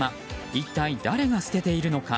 一体誰が捨てているのか。